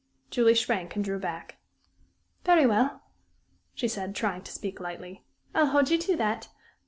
Julie shrank and drew back. "Very well," she said, trying to speak lightly. "I'll hold you to that.